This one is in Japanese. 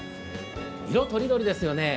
色とりどりですよね。